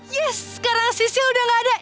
yes sekarang sisi udah gak ada